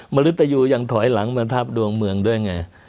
มริตยูยังถอยหลังมาทับดวงเมืองด้วยไง